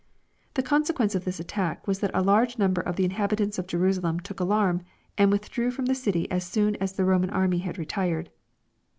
The consequence of this at tack was that a large number of the inhabitants of Jerusalem took alarm, and withdrew from the city as soon as the Roman army had retired.